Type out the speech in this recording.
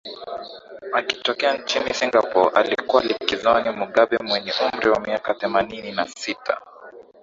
akitokea nchini singapore alipokuwa likizoni mugabe mwenye umri wa miaka themanini na sita